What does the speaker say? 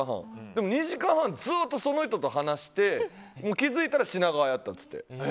でも２時間半、ずっとその人と話して気づいたら品川やったつって。